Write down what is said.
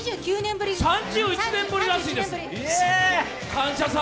３１年ぶりらしいです「感謝祭」。